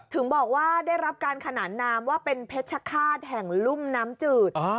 ถึงบอกว่าได้รับการขนานนามว่าเป็นเพชรฆาตแห่งลุ่มน้ำจืด